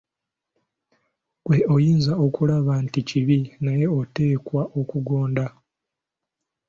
Ggwe oyinza okulaba nti kibi naye oteekwa okugonda.